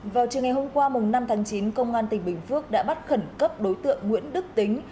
vào chiều ngày hôm qua năm tháng chín công an tỉnh bình phước đã bắt khẩn cấp đối tượng nguyễn đức tính